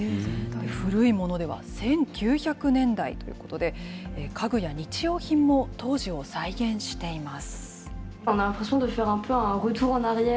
古いものでは１９００年代ということで、家具や日用品も当時を再現しています。